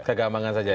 kegamangan saja ya